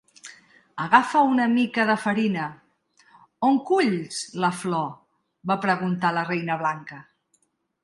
"Agafa una mica de farina ..." "On culls la flor?", va preguntar la Reina blanca.